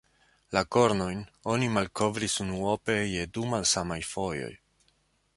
La kornojn oni malkovris unuope je du malsamaj fojoj.